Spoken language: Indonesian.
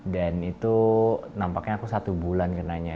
dan itu nampaknya aku satu bulan kena nya